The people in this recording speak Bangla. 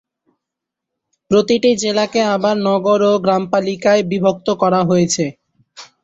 প্রতিটি জেলাকে আবার নগর ও গ্রামপালিকায় বিভক্ত করা হয়েছে।